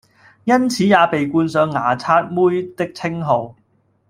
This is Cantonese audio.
因此也被冠上「牙刷妹」的稱號！